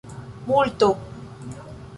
multo